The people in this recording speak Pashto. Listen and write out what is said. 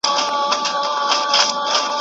ایا مسواک د ملایکو د دعا سبب ګرځي؟